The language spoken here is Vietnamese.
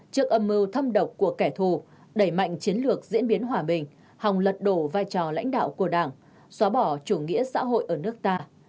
trước âm mưu thâm độc của kẻ thù đẩy mạnh chiến lược diễn biến hòa bình hòng lật đổ vai trò lãnh đạo của đảng xóa bỏ chủ nghĩa xã hội ở nước ta